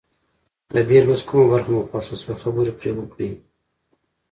د دې لوست کومه برخه مو خوښه شوه خبرې پرې وکړئ.